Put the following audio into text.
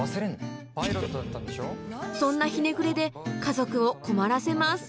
そんなひねくれで家族を困らせます